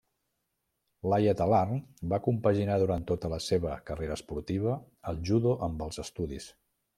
Laia Talarn va compaginar durant tota la seva carrera esportiva el judo amb els estudis.